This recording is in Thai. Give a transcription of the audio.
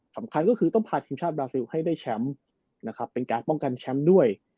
สำคัญก็คือต้องพาทีมชาติบราซิลให้ได้แชมป์นะครับเป็นการป้องกันแชมป์ด้วย